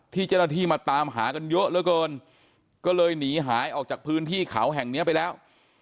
เจ้าหน้าที่มาตามหากันเยอะเหลือเกินก็เลยหนีหายออกจากพื้นที่เขาแห่งเนี้ยไปแล้ว